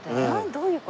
どういう事？